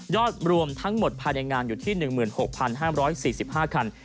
รวมทั้งหมดภายในงานอยู่ที่๑๖๕๔๕คัน